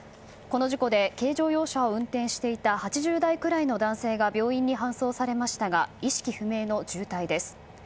この事故で軽乗用車を運転していた８０代くらいの男性が病院に搬送されましたが意識不明の重体です。